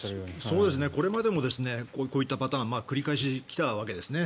これまでもこういったパターン繰り返し来たわけですね。